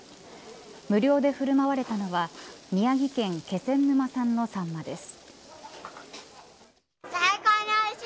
無料で振る舞われたのは宮城県気仙沼産のさんまです。